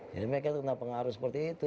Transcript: jadi mereka terkenal pengaruh seperti itu